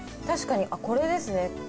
確かにこれですね